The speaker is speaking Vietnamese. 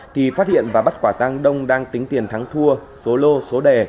thì phát hiện và bắt quả tang đông đang tính tiền thắng thua số lô số đè